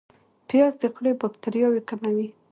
پیاز د خولې باکتریاوې کموي